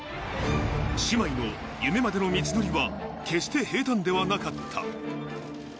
姉妹の夢までの道のりは、決して平たんではなかった。